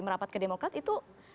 merapat ke demokrat itu